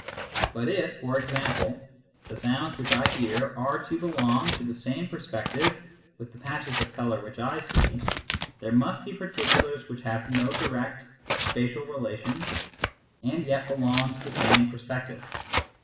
But if, for example, the sounds which I hear are to belong to the same perspective with the patches of colour which I see, there must be particulars which have no direct spatial relation and yet belong to the same perspective.